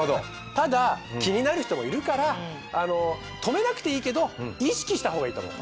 ただ気になる人もいるから止めなくていいけど意識したほうがいいと思う。